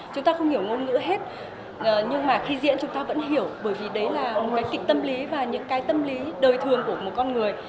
chúng ta không hiểu ngôn ngữ hết nhưng mà khi diễn chúng ta vẫn hiểu bởi vì đấy là một cái tâm lý và những cái tâm lý đời thường của một con người